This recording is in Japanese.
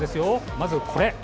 まず、これ。